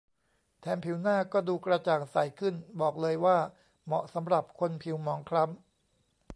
แถมผิวหน้าก็ดูกระจ่างใสขึ้น บอกเลยว่าเหมาะสำหรับคนผิวหมองคล้ำ